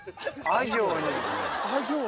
あ行に。